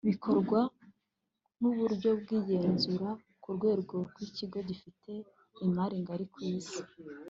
bikorwa nuburyo bwigenzura ku rwego rwikigo gifite imaringari kwisi.